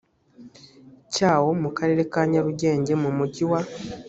cyawo mu karere ka nyarugenge mu mujyi wa